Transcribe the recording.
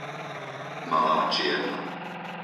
Malá Čierna